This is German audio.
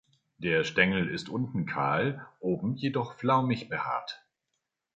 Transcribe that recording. Der Stängel ist unten kahl, oben jedoch flaumig behaart.